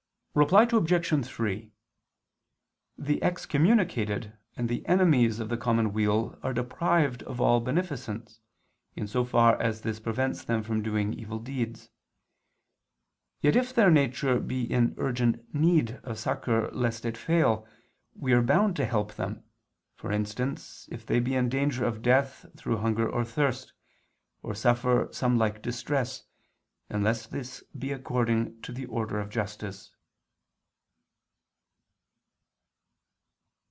Reply Obj. 3: The excommunicated and the enemies of the common weal are deprived of all beneficence, in so far as this prevents them from doing evil deeds. Yet if their nature be in urgent need of succor lest it fail, we are bound to help them: for instance, if they be in danger of death through hunger or thirst, or suffer some like distress, unless this be according to the order of justice.